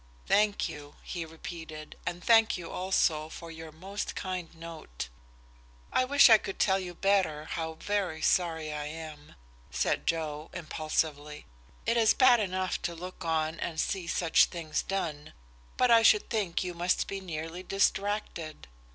"Thank you," he repeated, "and thank you also for your most kind note." "I wish I could tell you better how very sorry I am," said Joe, impulsively. "It is bad enough to look on and see such things done, but I should think you must be nearly distracted."